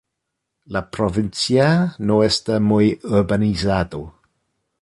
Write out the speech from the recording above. La provincia no está muy urbanizado.